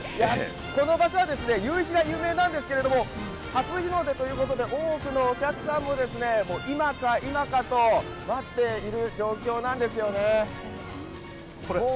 この場所は夕日が有名なんですけれども、初日の出ということで多くのお客さんも今か今かと待っている状況なんですよね。